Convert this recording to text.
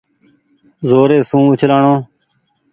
زوري سون اُڇلآڻو۔